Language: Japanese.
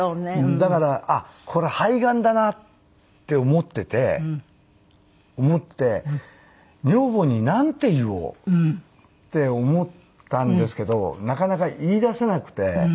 だからあっこれ肺がんだなって思ってて思って女房になんて言おうって思ったんですけどなかなか言い出せなくて。